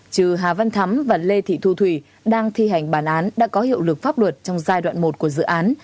trừ hà văn thắm và lê thị thu thủy đang thi hành bản án đã có hiệu lực pháp luật trong giai đoạn một của dự án